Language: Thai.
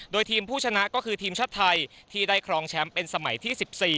โดยทีมผู้ชนะก็คือทีมชาติไทยที่ได้ครองแชมป์เป็นสมัยที่๑๔